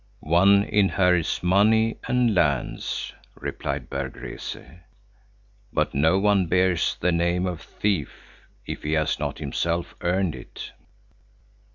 "One inherits money and lands," replied Berg Rese, "but no one bears the name of thief if he has not himself earned it."